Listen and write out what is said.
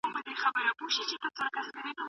آیا ته په پښتو ژبه لیک او لوست کولای سی؟